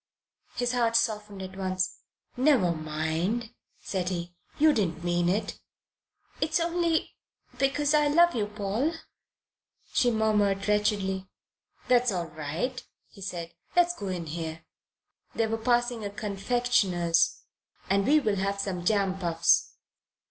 His heart softened at once. "Never mind," said he. "You didn't mean it." "It's only because I love you, Paul," she murmured wretchedly. "That's all right," he said. "Let us go in here" they were passing a confectioner's "and we'll have some jam puffs."